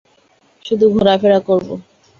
শুধু ঘোরাফেরা করব।